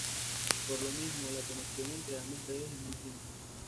Por lo mismo la conexión entre ambas redes es muy simple.